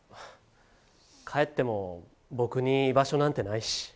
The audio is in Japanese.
帰っても僕に居場所なんてないし。